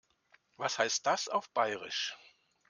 Was heißt das auf Bairisch?